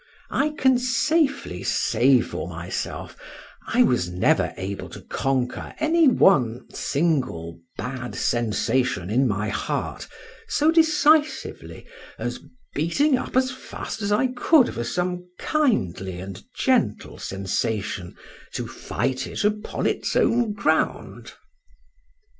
—I can safely say for myself, I was never able to conquer any one single bad sensation in my heart so decisively, as beating up as fast as I could for some kindly and gentle sensation to fight it upon its own ground.